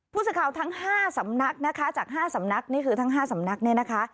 ผู้สื่อข่าวทั้ง๕สำนักนะคะจาก๕สำนักนี่คือทั้ง๕สำนักเนี่ยนะคะ